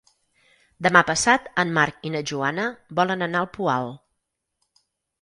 Demà passat en Marc i na Joana volen anar al Poal.